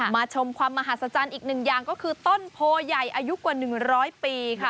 ชมความมหัศจรรย์อีกหนึ่งอย่างก็คือต้นโพใหญ่อายุกว่า๑๐๐ปีค่ะ